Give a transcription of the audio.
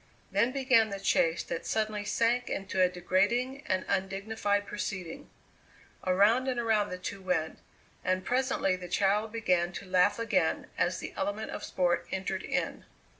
Then began the chase that suddenly sank into a degrading and undignified proceeding. Around and around the two went, and presently the child began to laugh again as the element of sport entered in.